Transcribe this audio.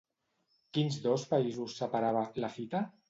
Quins dos països separava, la fita?